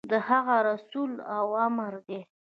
د هغه رسول اوامر دي.